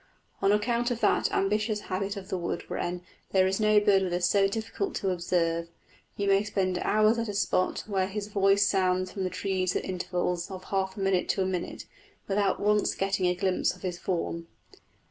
On account of that ambitious habit of the wood wren there is no bird with us so difficult to observe; you may spend hours at a spot, where his voice sounds from the trees at intervals of half a minute to a minute, without once getting a glimpse of his form.